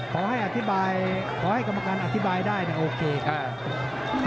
ขอให้อธิบายขอให้กรรมการอธิบายได้เนี่ยโอเคค่ะ